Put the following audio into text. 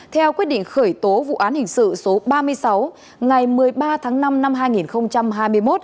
theo quyết định khởi tố vụ án hình sự số ba mươi sáu ngày một mươi ba tháng năm năm hai nghìn hai mươi một